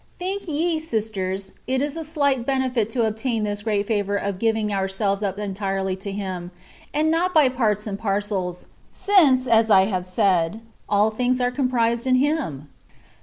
Think ye, sisters, it is a slight benefit to obtain this great favour of giving ourselves up entirely to Him, and not by parts and parcels, since, as I have said, all good things are comprised in Him